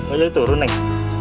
oh jadi turun ya